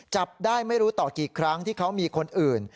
จับได้ไม่รู้ต่อกี่ครั้งที่เขามีคนอื่น